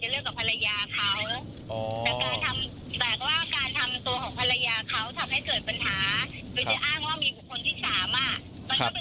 ที่เค้าบอกว่าตัวเค้าป่วยนี่คือจริงไหมครับเรารู้ไหมครับ